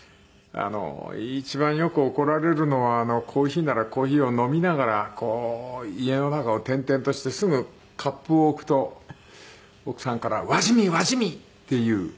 一番よく怒られるのはコーヒーならコーヒーを飲みながらこう家の中を転々としてすぐカップを置くと奥さんから「輪染み輪染み！」っていう。